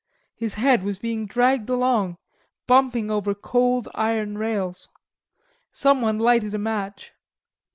His head was being dragged along, bumping over cold iron rails. Someone lighted a match.